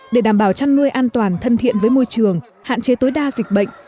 để đảm bảo chăn nuôi an toàn thân thiện với môi trường hạn chế tối đa dịch bệnh